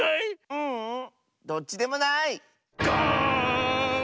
ううんどっちでもない！ガーン！